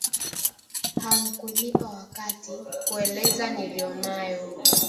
Hamukunipa wakati, kueleza nilonayo